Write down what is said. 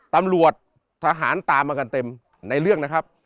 ตำรวจทหารตามมากันเต็มในเรื่องนะครับ